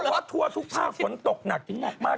เพราะทั่วทุกภาคฝนตกหนักถึงหนักมาก